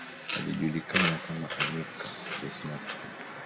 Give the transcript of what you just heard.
Alijulikana kama Anica the Snuffling.